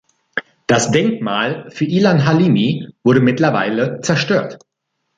Das Denkmal für Ilan Halimi wurde mittlerweile zerstört.